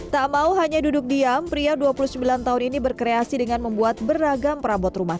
tak mau hanya duduk diam pria dua puluh sembilan tahun ini berkreasi dengan membuat beragam perabot rumah